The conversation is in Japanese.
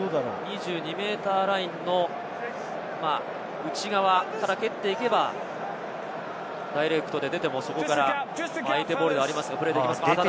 ２２ｍラインの内側から蹴っていけばダイレクトで出てもそこから相手ボールではありますが、プレーできます。